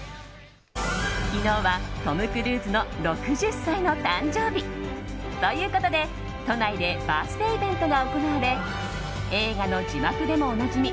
昨日はトム・クルーズの６０歳の誕生日。ということで、都内でバースデーイベントが行われ映画の字幕でもおなじみ